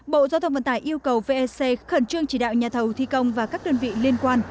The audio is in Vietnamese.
bộ giao thông vận tải yêu cầu vec khẩn trương chỉ đạo nhà thầu thi công và các đơn vị liên quan